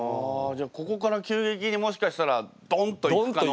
じゃあここから急激にもしかしたらドンといく可能性は。